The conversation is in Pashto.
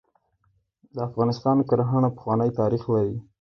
د افغانستان کرهڼه پخوانی تاریخ لري .